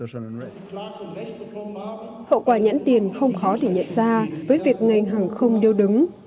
hậu quả nhãn tiền không khó để nhận ra với việc ngành hàng không điêu đứng